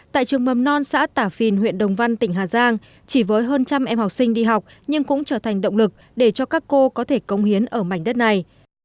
tại trường mầm non xã tả phìn huyện đồng văn tỉnh hà giang chỉ với hơn trăm em học sinh đi học nhưng cũng trở thành động lực để cho các cô có thể công hiến ở mảnh đất này